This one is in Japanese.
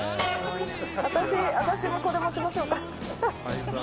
私もこれ持ちましょうか。